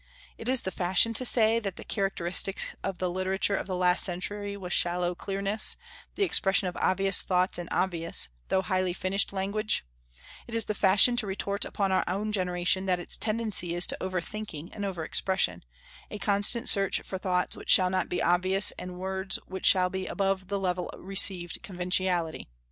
It is the fashion to say that the characteristic of the literature of the last century was shallow clearness, the expression of obvious thoughts in obvious, though highly finished language; it is the fashion to retort upon our own generation that its tendency is to over thinking and over expression, a constant search for thoughts which shall not he obvious and words which shall be above the level of received conventionality.